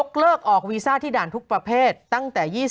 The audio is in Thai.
โหยวายโหยวายโหยวายโหยวาย